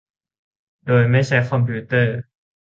โดยไม่ใช้คอมพิงเตอร์